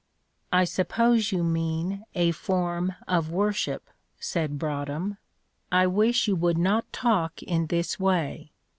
"I suppose you mean a form of worship," said Broadhem; "I wish you would not talk in this way.